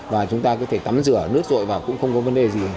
và chúng ta có thể tắm rửa nước rội vào cũng không có vấn đề gì